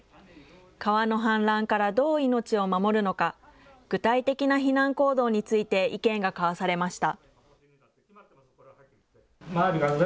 川の氾濫からどう命を守るのか、具体的な避難行動について意見が交わされました。